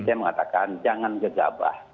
saya mengatakan jangan gegabah